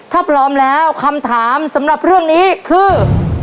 ถ้าพร้อมแล้วคำถามสำหรับเรื่องนี้คือ